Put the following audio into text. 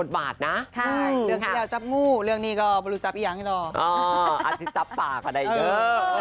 อ๋ออะที่จับปากอะได้เยอะ